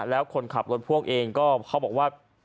แล้วคนขับรถพ่วงเองก็เขาบอกว่า